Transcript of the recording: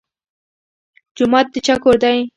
جومات د چا کور دی؟